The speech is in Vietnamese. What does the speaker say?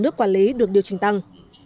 cả nước quản lý được điều chỉnh tăng